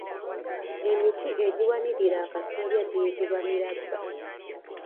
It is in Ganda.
Emiti egiwanirira akasolya giyitibwa Mirabba.